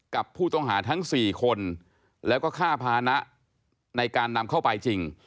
กับผู้ต้องหาทั้ง๔คนแล้วก็ค่าพานะในการนำเข้าไปจริง